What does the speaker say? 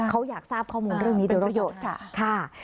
เขาอยากทราบข้อมูลเรื่องนี้เดี๋ยวเราประโยชน์